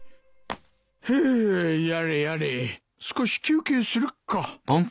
フゥやれやれ少し休憩するか。